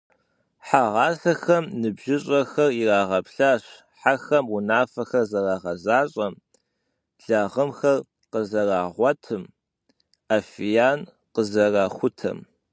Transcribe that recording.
Хьэгъасэхэм ныбжьыщӏэхэр ирагъэплъащ хьэхэм унафэхэр зэрагъэзащӏэм, лагъымхэр къызэрагъуэтым, афиян къызэрахутэм.